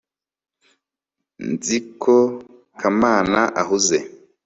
nzi ko kamana ahuze